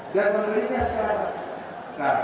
dan membelinya sekarang